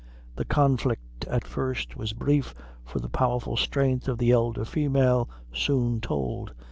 The conflict at first was brief, for the powerful strength of the elder female soon told.